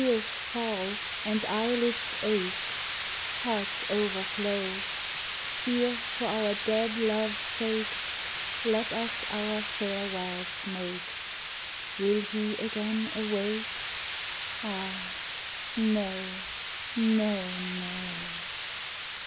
Tears fall and eyelids ache, Hearts overflow: Here for our dead love's sake Let us our farewells make Will he again awake? Ah, no, no, no.